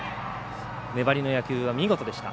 粘りの野球は見事でした。